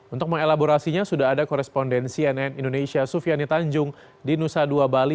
untuk mengelaborasinya sudah ada korespondensi nn indonesia sufiani tanjung di nusa dua bali